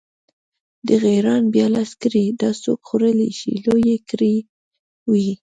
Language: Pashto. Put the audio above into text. د غیراڼ بیا لس کړۍ، دا څوک خوړلی شي، لویې کړۍ وې.